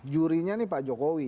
jurinya nih pak jokowi